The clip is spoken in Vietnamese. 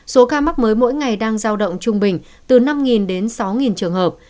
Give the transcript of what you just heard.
số ca mắc mới mỗi ngày đang giao động trung bình từ năm đến sáu trường hợp